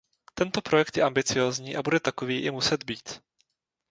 Tento projekt je ambiciózní a bude takový i muset být.